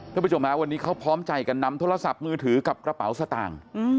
คุณผู้ชมฮะวันนี้เขาพร้อมใจกันนำโทรศัพท์มือถือกับกระเป๋าสตางค์